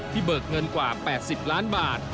เบิกเงินกว่า๘๐ล้านบาท